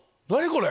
これ。